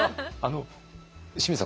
清水さん